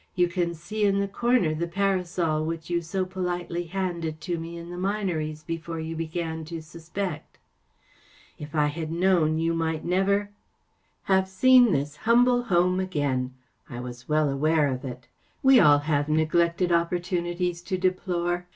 44 You can see in the comer the parasol which you so politely handed to me in the Minories before you began to suspect.‚ÄĚ 44 If I had known, you might never ‚ÄĚ 44 Have seen this humble home again. I was well aware of it. We all have neglected opportunities to deplore.